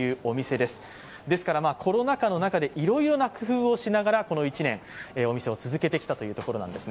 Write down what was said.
ですから、コロナ禍の中でいろいろな工夫をしながら、この１年、お店を続けてきたというところなんですね。